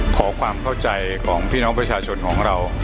ขอความเข้าใจของพี่น้องประชาชนของเรา